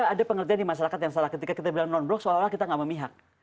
ada pengertian di masyarakat yang salah ketika kita bilang non blok seolah olah kita nggak memihak